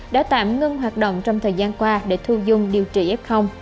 đã tạm ngưng hoạt động trong thời gian qua để thu dung điều trị f